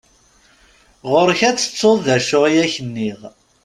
Ɣur-k ad tettuḍ d acu i ak-nniɣ.